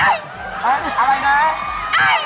เอ๊ะอะไรนะ